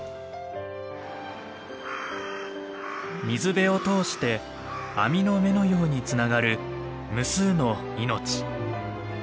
水辺を通して網の目のようにつながる無数の命。